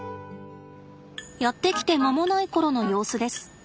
やって来て間もない頃の様子です。